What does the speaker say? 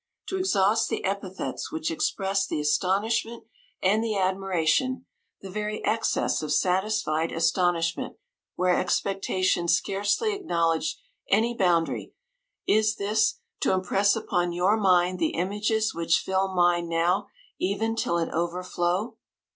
To exhaust the epithets which express Ml the astonishment and the admiration — the very excess of satisfied astonish ment, where expectation scarcely ac knowledged any boundary, is this, to impress upon your mind the images which fill mine now even till it over flow